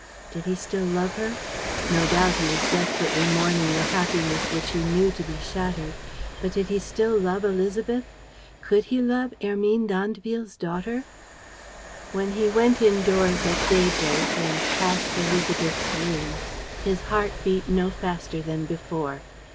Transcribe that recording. Did he still love her? No doubt, he was desperately mourning a happiness which he knew to be shattered; but did he still love Élisabeth? Could he love Hermine d'Andeville's daughter? When he went indoors at daybreak and passed Élisabeth's room, his heart beat no faster than before.